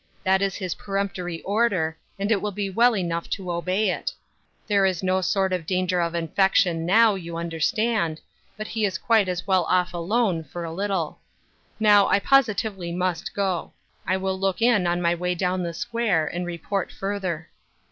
That is his peremptory order, and it will be well enough to obey it. There is no sort of danger of infection now, you understand, but he is quite as well off alone, for a little. Now, I pos itively must go. I will look in on my way down the square, and report further."